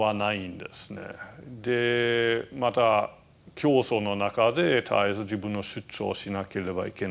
でまた競争の中で絶えず自分の主張しなければいけない。